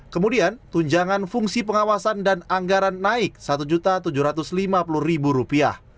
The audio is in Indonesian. kemudian tunjangan fungsi pengawasan dan anggaran naik rp satu tujuh ratus lima puluh